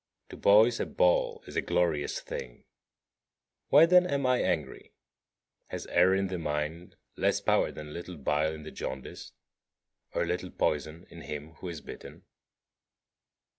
To boys a ball is a glorious thing. Why, then, am I angry? Has error in the mind less power than a little bile in the jaundiced, or a little poison in him who is bitten?